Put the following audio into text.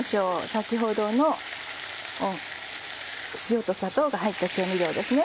先ほどの塩と砂糖が入った調味料ですね。